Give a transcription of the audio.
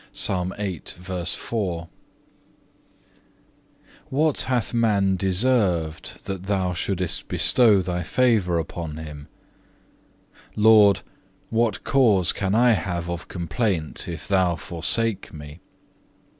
(1) What hath man deserved, that Thou shouldest bestow thy favour upon him? Lord, what cause can I have of complaint, if Thou forsake me?